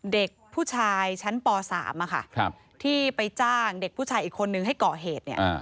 เด็กผู้ชายชั้นป๓ที่ไปจ้างเด็กผู้ชายอีกคนนึงให้ก่อเหตุเนี่ย